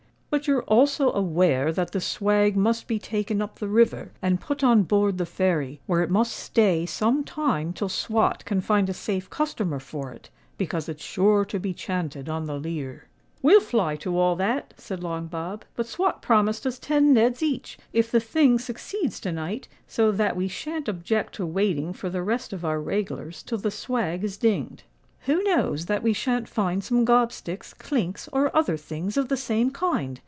"But you're also aware that the swag must be taken up the river and put on board the Fairy, where it must stay some time till Swot can find a safe customer for it, because it's sure to be chanted on the leer." "We're fly to all that," said Long Bob. "But Swot promised us ten neds each, if the thing succeeds to night; so that we shan't object to waiting for the rest of our reg'lars till the swag is dinged." "Who knows that we shan't find some gobsticks, clinks, or other things of the same kind?"